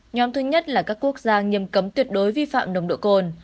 nhóm thứ nhất là các quốc gia nghiêm cấm tuyệt đối vi phạm nồng độ cồn